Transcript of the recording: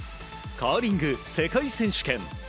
カーリング世界選手権。